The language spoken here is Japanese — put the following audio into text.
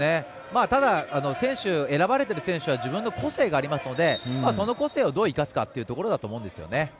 ただ選ばれている選手は自分の個性がありますのでその個性をどう生かすかというところだと思いますね。